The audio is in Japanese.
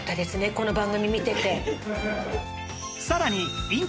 この番組見てて。